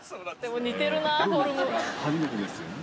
初めてですよね